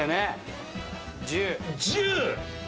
１０！